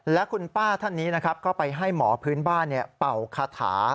และคุณป้าท่านนี้นะครับก็ไปให้หมอพื้นบ้านเป่าคาถา